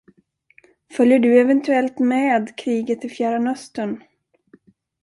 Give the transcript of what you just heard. Följer du eventuellt med kriget i Fjärran Östern?